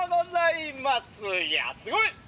いやすごい！